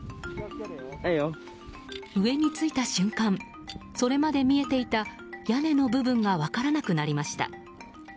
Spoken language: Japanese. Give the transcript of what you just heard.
上に着いた瞬間それまで見えていた屋根の部分が分からなくなりました。